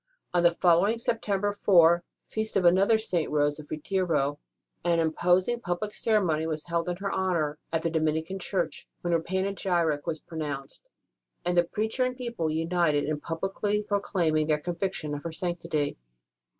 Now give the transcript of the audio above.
On the following September 4 (feast of WHAT HAPPENED AFTER ROSE S DEATH 185 another St. Rose, of Viterbo) an imposing public ceremony was held in her honour at the Dominican church, when her panegyric was pronounced, and preacher and people united in publicly proclaim ing their conviction of her sanctity.